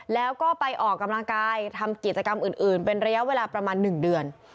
แล้วก็ไปออกกำลังกายทำกิจกรรมอื่นเป็นระยะเวลาประมาณ๑เดือน